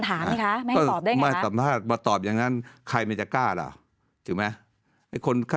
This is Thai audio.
อ้าวคือมีคนถามนะคะไม่ให้สอบด้วยไงนะ